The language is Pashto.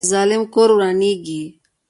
د ظالم کور ورانیږي